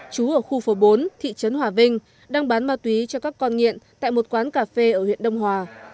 chú ở khu phố bốn thị trấn hòa vinh đang bán ma túy cho các con nghiện tại một quán cà phê ở huyện đông hòa